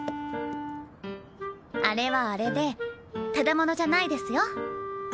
あれはあれでただ者じゃないですよ。